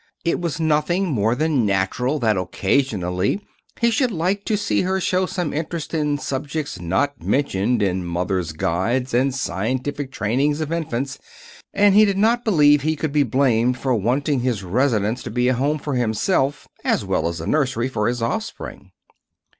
It was nothing more than natural that occasionally he should like to see her show some interest in subjects not mentioned in Mothers' Guides and Scientific Trainings of Infants; and he did not believe he could be blamed for wanting his residence to be a home for himself as well as a nursery for his offspring.